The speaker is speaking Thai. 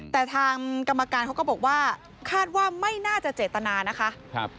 แต่ทางกรรมการเขาก็บอกว่าคาดว่าไม่น่าจะเจตนานะคะ